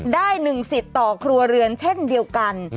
ได้๑สิทธิ์ต่อครัวเรือนเช่นเดียวกัน